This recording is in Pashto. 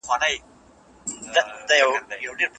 قلمي خط د انساني اړیکو د دوام سبب ګرځي.